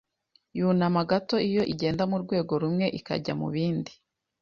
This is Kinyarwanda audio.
yunama gato iyo igenda murwego rumwe ikajya mubindi